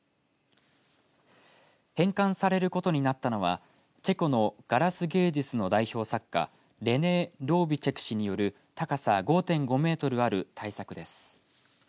返還されることになったのはチェコのガラス芸術の代表作家レネー・ロゥビチェク氏による高さ５．５メートルある大作です。